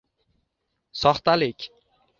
Soxtalik.